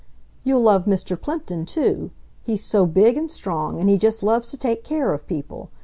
"You'll love Mr. Plimpton, too. He's so big and strong, and he just loves to take care of people.